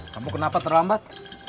kamu kenapa terlambat